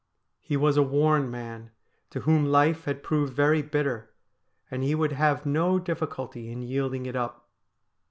He was a worn man, to whom life had proved very bitter, and he would have no diffi culty in yielding it up.